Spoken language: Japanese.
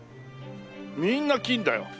みんな金だよ！